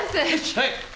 はい。